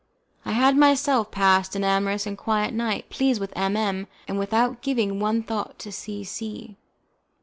I had myself passed an amorous and quiet night, pleased with M M , and with out giving one thought to C C